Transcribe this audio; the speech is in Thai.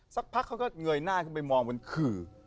สักพักเขาก็เงยหน้าขึ้นไปมองบนขื่อ